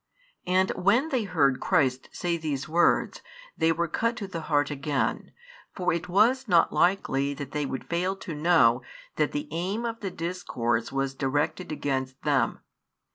And when they heard Christ say these words, they were cut to the heart again, for it was not likely they would fail to know that the aim of the discourse was directed against them.